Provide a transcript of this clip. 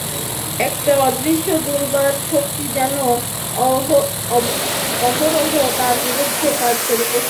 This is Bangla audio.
একটা অদৃশ্য দুর্বার শক্তি যেন অহরহ তার বিরুদ্ধে কাজ করিতেছে।